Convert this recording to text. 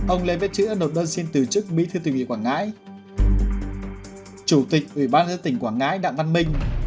ông lê vít chữ đã nộp đơn xin từ chức mỹ thư tỉnh ủy quảng ngãi